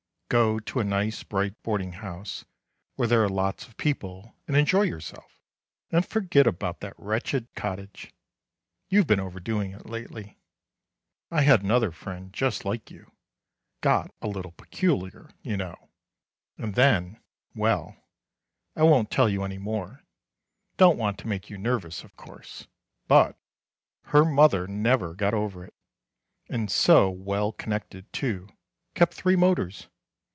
Go to a nice bright boarding house, where there are lots of people, and enjoy yourself; and forget about that wretched cottage. You've been overdoing it lately. I had another friend just like you—got a little peculiar, you know, and then—well, I won't tell you any more; don't want to make you nervous, of course, but—her mother never got over it, and so well connected, too—kept three motors.